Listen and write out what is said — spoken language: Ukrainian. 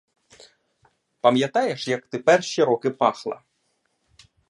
Пам'ятаєш, як ти перші роки пахла?